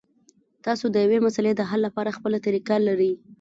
تاسو د یوې مسلې د حل لپاره خپله طریقه لرئ.